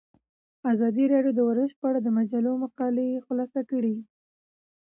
ازادي راډیو د ورزش په اړه د مجلو مقالو خلاصه کړې.